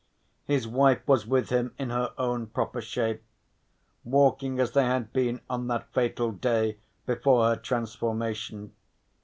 His wife was with him in her own proper shape, walking as they had been on that fatal day before her transformation.